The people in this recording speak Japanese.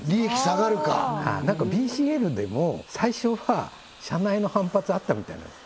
下がるか何かＢＣＬでも最初は社内の反発あったみたいなんです